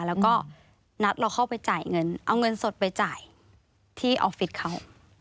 แล้วก็นัดเราเข้าไปจ่ายเงินเอาเงินสดไปจ่ายที่ออฟฟิศเขา